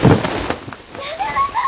やめなさい！